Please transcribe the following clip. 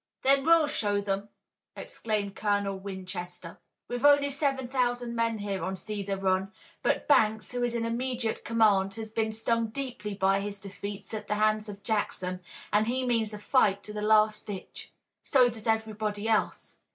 "Then we'll show them!" exclaimed Colonel Winchester. "We've only seven thousand men here on Cedar Run, but Banks, who is in immediate command, has been stung deeply by his defeats at the hands of Jackson, and he means a fight to the last ditch. So does everybody else."